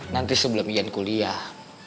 nanti sebelum ian kuliah